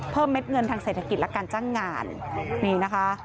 เม็ดเงินทางเศรษฐกิจและการจ้างงานนี่นะคะ